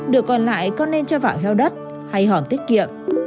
được còn lại con nên cho vào heo đất hay hòn tiết kiệm